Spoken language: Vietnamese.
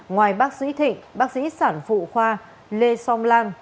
ngoài bác sĩ thịnh bác sĩ sản phụ khoa lê song lam